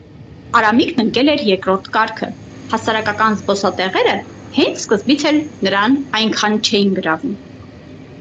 Արամիկն ընկել էր երկրորդ կարգը, հասարակական զբոսատեղերը հենց սկզբից էլ նրան այնքան չէին գրավում.